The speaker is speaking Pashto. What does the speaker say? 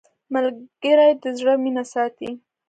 ملګری د زړه مینه ساتي